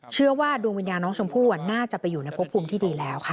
เชื่อว่าดวงวิญญาณน้องชมพู่น่าจะไปอยู่ในพบภูมิที่ดีแล้วค่ะ